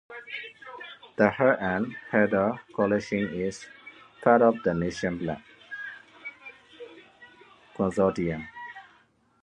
The Heath and Heather collection is part of the National Plant Consortium.